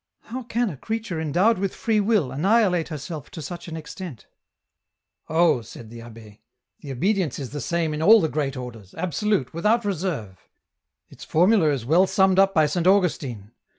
How can a creature endowed with free will annihilate herself to such an extent ?"" Oh," said the abbe, "the obedience is the same in all gS EN ROUTE the great Orders, absolute, without reserve ; its formula is well summed up by Saint Augustine.